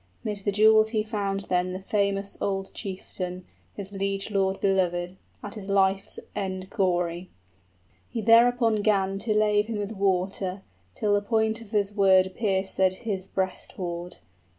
'Mid the jewels he found then the famous old chieftain, His liegelord belovèd, at his life's end gory: He thereupon 'gan to lave him with water, Till the point of his word piercèd his breast hoard.